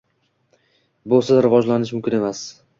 Busiz rivojlanish mumkin emas.